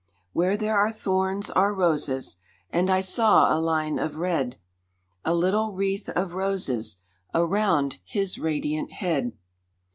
Where there are thorns are roses, and I saw a line of red, A little wreath of roses around His radiant head.